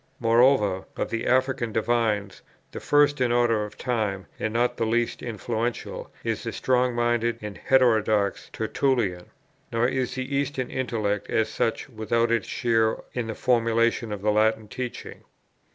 Moreover, of the African divines, the first in order of time, and not the least influential, is the strong minded and heterodox Tertullian. Nor is the Eastern intellect, as such, without its share in the formation of the Latin teaching.